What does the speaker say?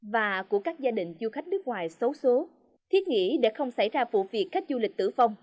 và của các gia đình du khách nước ngoài xấu xố thiết nghĩ để không xảy ra vụ việc khách du lịch tử vong